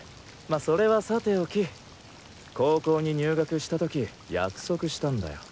まそれはさておき高校に入学した時約束したんだよ。